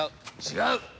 違う！